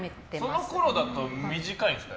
そのころだと短いんですか。